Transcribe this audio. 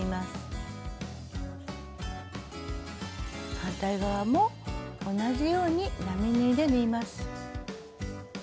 反対側も同じように並縫いで縫います。